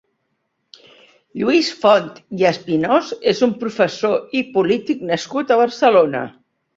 Lluís Font i Espinós és un professor i polític nascut a Barcelona.